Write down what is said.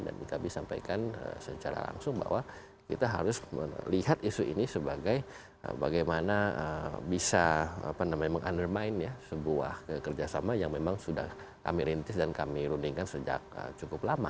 dan kami sampaikan secara langsung bahwa kita harus melihat isu ini sebagai bagaimana bisa undermine sebuah kerjasama yang memang sudah kami rintis dan kami runningkan sejak cukup lama